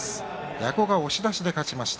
矢後は押し出しで勝ちました。